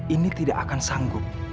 ini tidak akan sanggup